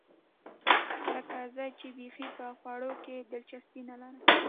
لکه زه چې بیخي په خوړو کې دلچسپي نه لرم.